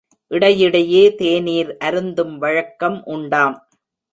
இடையிடையே தேநீர் அருந்தும் வழக்கம் உண்டாம்.